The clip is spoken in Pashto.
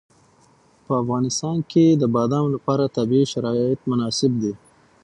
په افغانستان کې د بادام لپاره طبیعي شرایط مناسب دي.